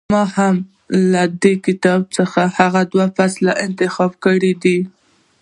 ما هم له دې کتاب څخه هغه دوه فصله انتخاب کړي دي.